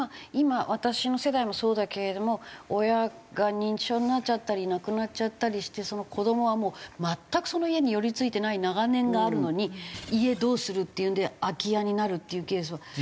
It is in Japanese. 今私の世代もそうだけれども親が認知症になっちゃったり亡くなっちゃったりしてその子供はもう全くその家に寄りついてない長年があるのに「家どうする？」っていうので空き家になるっていうケースは。